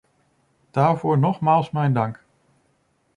Daarvoor nogmaals mijn dank.